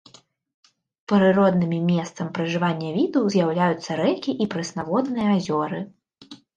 Прыроднымі месцам пражывання віду з'яўляюцца рэкі і прэснаводныя азёры.